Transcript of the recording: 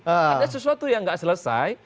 ada sesuatu yang nggak selesai